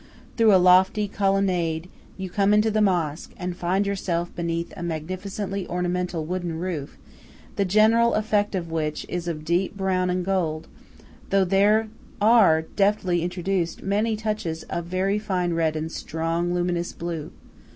Through a lofty colonnade you come into the mosque, and find yourself beneath a magnificently ornamental wooden roof, the general effect of which is of deep brown and gold, though there are deftly introduced many touches of very fine red and strong, luminous blue.